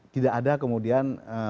tidak ada kemudian